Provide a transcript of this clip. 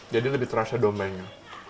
jadi lebih terasa dombanya